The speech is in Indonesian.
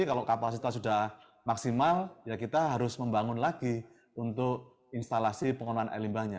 kalau kapasitas sudah maksimal ya kita harus membangun lagi untuk instalasi pengelolaan air limbahnya